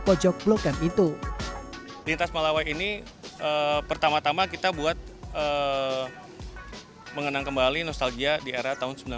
pojok blokan itu lintas melawe ini pertama tama kita buat mengenang kembali nostalgia di era tahun